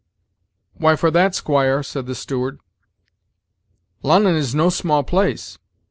"Why, for that, squire," said the steward, "Lon'on is no small place.